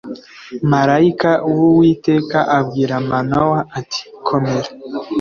Marayika w Uwiteka abwira Manowa ati komera